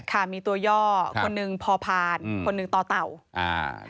ข้ามีตัวย่อคนนึงพพาร์นคนนึงตเต่า